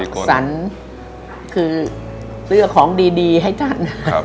ก็สั่นคือเลือกของดีให้ท่าน